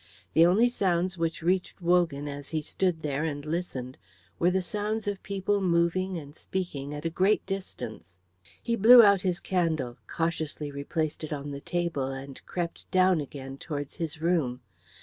The only sounds which reached Wogan as he stood there and listened were the sounds of people moving and speaking at a great distance. He blew out his candle, cautiously replaced it on the table, and crept down again towards his room.